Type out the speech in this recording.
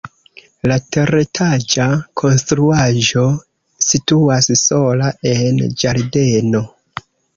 La teretaĝa konstruaĵo situas sola en ĝardeno.